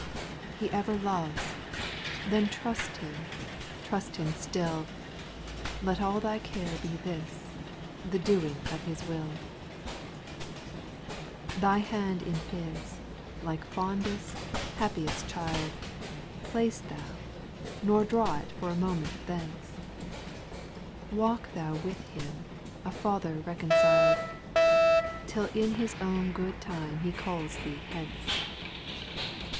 He ever loves ; then trust Him, trust Him still ; Let all thy care be this — the doing of His will ; 2. Thy hand in His, like fondest, happiest child, Place thou, nor draw it for a moment thence ; Walk thou with Him, a Father reconciled, Till in His own good time He calls thee hence.